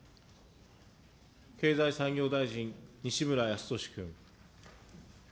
経済産業大臣、西村康稔君。